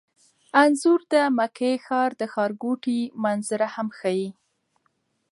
انځور د مکې ښار د ښارګوټي منظره هم ښيي.